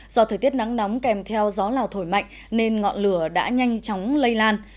do thời tiết nắng nóng kèm theo gió lào thổi mạnh nên ngọn lửa đã nhanh chóng lây lan